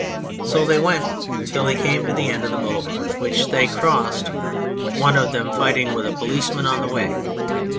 So they went until they came to the Boulevard, 177 N On Anything which they crossed, one of them fighting with a policeman on the way.